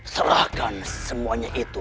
serahkan semuanya itu